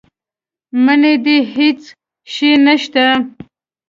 منی دی هېڅ شی نه شته.